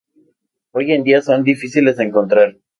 Hoy en día son difíciles de encontrar.